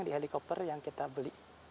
di helikopter yang kita beli